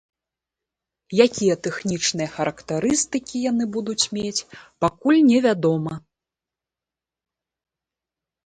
Якія тэхнічныя характарыстыкі яны будуць мець, пакуль невядома.